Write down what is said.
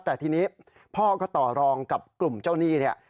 แต่ทีนี้พ่อก็ต่อรองกับกลุ่มเจ้าหนี้เนี่ย